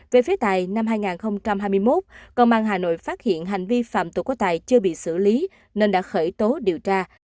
về phía tài năm hai nghìn hai mươi một công an hà nội phát hiện hành vi phạm tội của tài chưa bị xử lý nên đã khởi tố điều tra